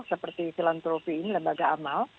seperti filantropi ini lembaga amal